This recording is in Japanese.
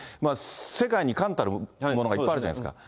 世界に冠たるものがいっぱいあるじゃないですか。